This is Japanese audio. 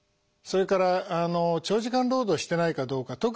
それから長時間労働をしてないかどうか。